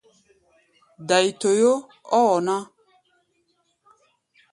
Dai-toyó ɔ́ wɔ ná.